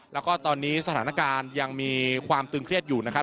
แล้วก็ตอนนี้สถานการณ์ยังมีความตึงเครียดอยู่นะครับ